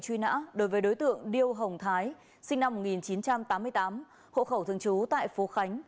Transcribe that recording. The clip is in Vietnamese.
truy nã đối với đối tượng điêu hồng thái sinh năm một nghìn chín trăm tám mươi tám hộ khẩu thường trú tại phố khánh